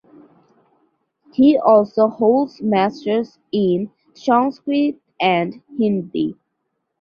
He also holds Masters in Sanskrit and Hindi.